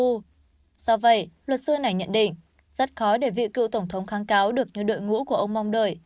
do vậy luật sư này nhận định rất khó để vị cựu tổng thống kháng cáo được như đội ngũ của ông mong đợi